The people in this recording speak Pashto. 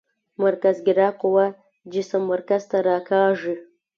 مرکزګرا قوه جسم مرکز ته راکاږي.